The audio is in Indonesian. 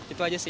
itu aja sih